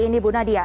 ini bu nadia